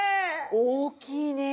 大きいねえ。